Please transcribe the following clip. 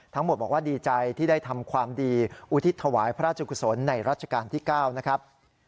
ทั้งหมดบอกว่าดีใจที่ได้ทำความดีอุทิศถวายพระราชกุศลในรัชกาลที่๙นะครับ